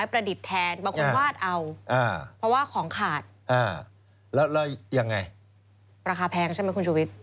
ราคาแพงใช่ไหมคุณชูวิทย์